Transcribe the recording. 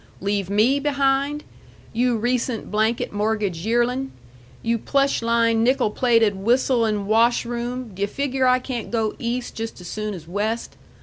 Leave ME behind? you recent blanket mortgage yearlin'! You plush lined, nickel plated, whistlin' wash room, d' yu' figure I can't go east just as soon as west?